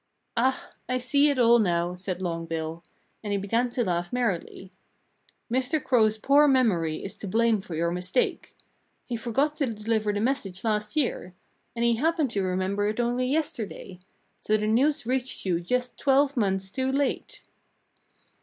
"Ah! I see it all now," said Long Bill. And he began to laugh merrily. "Mr. Crow's poor memory is to blame for your mistake. He forgot to deliver the message last year. And he happened to remember it only yesterday. So the news reached you just twelve months too late."